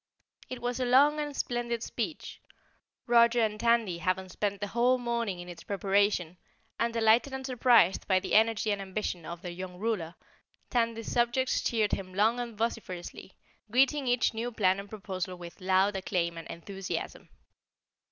It was a long and splendid speech, Roger and Tandy having spent the whole morning in its preparation, and delighted and surprised by the energy and ambition of their young Ruler, Tandy's subjects cheered him long and vociferously, greeting each new plan and proposal with loud acclaim and enthusiasm.